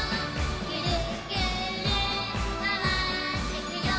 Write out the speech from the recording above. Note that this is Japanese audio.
「ぐるぐるまわってくよ」